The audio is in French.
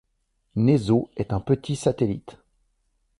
Néso est un petit satellite.